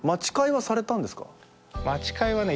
待ち会はね